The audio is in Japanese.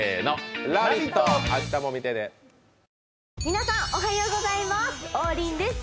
皆さんおはようございます王林です